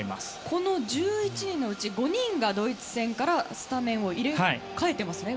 この１１人のうち５人がドイツ戦からスタメンを入れ替えていますね。